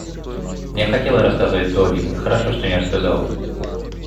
Я хотела рассказывать Долли и хорошо, что не рассказала.